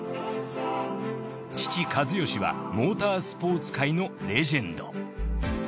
父一義はモータースポーツ界のレジェンド。